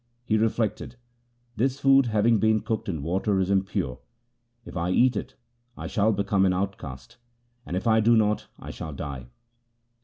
He reflected, ' This food having been cooked in water is impure. If I eat it, I shall become an outcaste, and if I do not, I shall die.